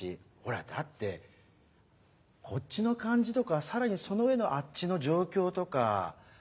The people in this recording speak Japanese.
ほらだってこっちの感じとかさらにその上のあっちの状況とか。